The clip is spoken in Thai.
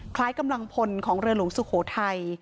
คล้ายกำลังพลของเรือหลวงสุโขทัย